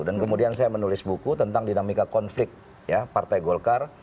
dan kemudian saya menulis buku tentang dinamika konflik partai golkar